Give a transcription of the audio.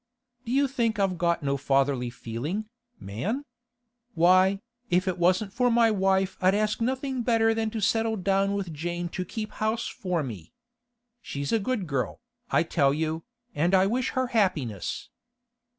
'Do you think I've got no fatherly feeling, man? Why, if it wasn't for my wife I'd ask nothing better than to settle down with Jane to keep house for me. She's a good girl, I tell you, and I wish her happiness.